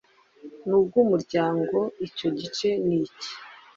n ubw umuryango Icyo gice ni iki